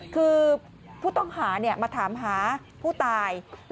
คือผู้ต้องหามาถามหาผู้ตาย